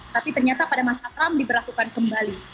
tapi ternyata pada masa trump diberlakukan kembali